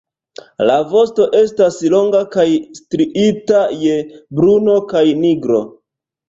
La vosto estas longa kaj striita je bruno kaj nigro.